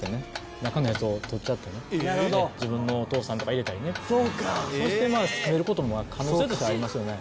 中のやつを取っちゃってね自分のお父さんとか入れたりねそして可能性としてありますよね。